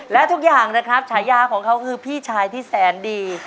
และทุกอย่างนะครับฉายาของเขาคือพี่ชายที่แสนดี